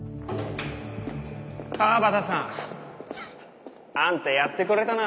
川端さん。あんたやってくれたな？